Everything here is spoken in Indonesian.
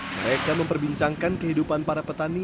mereka memperbincangkan kehidupan para petani